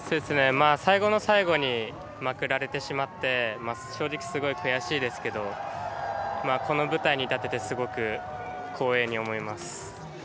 最後の最後にまくられてしまって正直、すごい悔しいですけどこの舞台に立ててすごく光栄に思います。